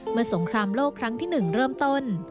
เมื่อสงครามโลกครั้งที่๑เริ่มจน